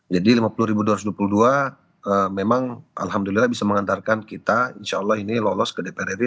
jadi lima puluh dua ratus dua puluh dua memang alhamdulillah bisa mengantarkan kita insya allah ini lolos ke dpr ri